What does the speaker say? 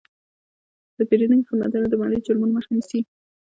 د پیرودونکو خدمتونه د مالي جرمونو مخه نیسي.